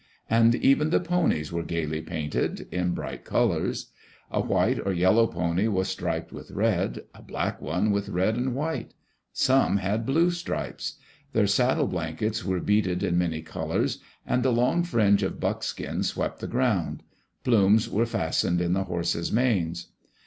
And even the ponies were gayly painted in bright colors. A white or yellow pony was striped with red; a black one with red and white. Some had blue stripes. Their saddle blankets were beaded in many colors, and the Digitized by VjOOQ IC EARLY DAYS IN OLD OREGON long fringe of buckskin swept the ground. Plumes were fastened in the horses* manes.